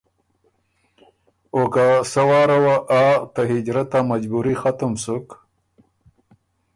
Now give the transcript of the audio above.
او که سۀ واره وه آ ته هجرت ا مجبُوري ختم سُک